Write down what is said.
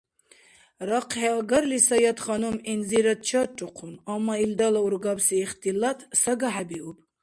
РахъхӀиагарли Саятханум гӀинзирад чаррухъун, амма илдала ургабси ихтилат сагахӀебиуб.